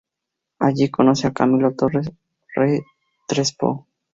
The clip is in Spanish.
Allí conoce a Camilo Torres Restrepo.